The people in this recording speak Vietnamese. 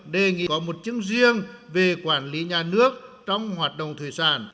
đề nghị có một chứng riêng về quản lý nhà nước trong hoạt động thủy sản